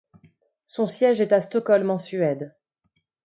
Son siège est à Stockholm en Suède.